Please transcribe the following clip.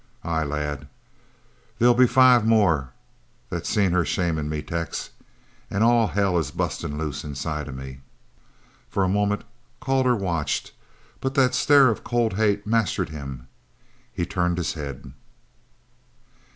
"Ay, lad." "There'll be five more that seen her shamin' me. Tex all hell is bustin' loose inside me!" For a moment Calder watched, but that stare of cold hate mastered him. He turned his head.